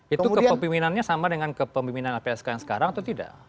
itu kepemimpinannya sama dengan kepemimpinan lpsk yang sekarang atau tidak